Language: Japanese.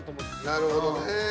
なるほどね。